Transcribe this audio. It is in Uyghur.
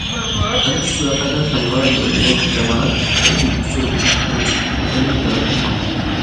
ھەر ئۈچ ۋەقەدە خەلقئارا جامائەت خىتايدىن ئۇچۇر ئوچۇقلۇقىنى تەلەپ قىلغان.